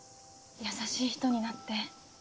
優しい人になって。